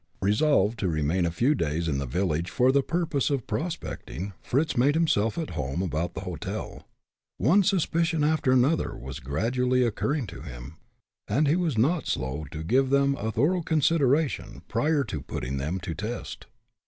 Resolved to remain a few days in the village for the purpose of prospecting, Fritz made himself at home about the hotel. One suspicion after another was gradually occurring to him, and he was not slow to give them a thorough consideration prior to putting them to test.